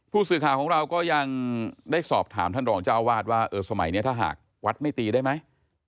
ผู้สื่อข่าวของเราก็ยังได้สอบถามท่านรองเจ้าอาวาสว่าเออสมัยนี้ถ้าหากวัดไม่ตีได้ไหม